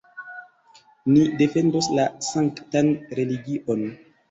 Ni defendos la sanktan religion!